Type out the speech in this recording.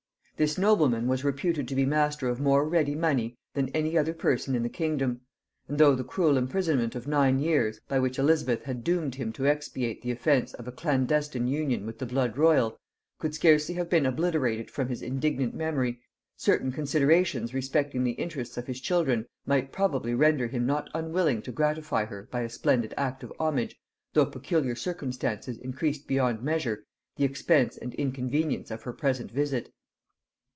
This nobleman was reputed to be master of more ready money than any other person in the kingdom; and though the cruel imprisonment of nine years, by which Elizabeth had doomed him to expiate the offence of a clandestine union with the blood royal, could scarcely have been obliterated from his indignant memory, certain considerations respecting the interests of his children might probably render him not unwilling to gratify her by a splendid act of homage, though peculiar circumstances increased beyond measure the expense and inconvenience of her present visit.